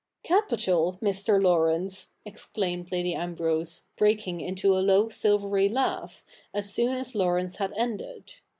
^' Capital, Mr. Laurence !' exclaimed Lady Ambrose, breaking into a low silvery laugh, as soon as Laurence had ended.